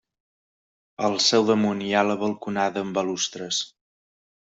Al seu damunt hi ha la balconada amb balustres.